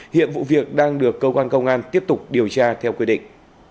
hiện vụ việc đang được công an tiếp tục điều tra theo quyết định